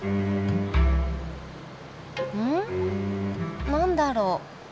うん？何だろう？